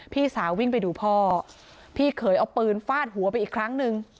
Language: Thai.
พี่สาววิ่งไปดูพ่อพี่เขยเอาปืนฟาดหัวไปอีกครั้งหนึ่ง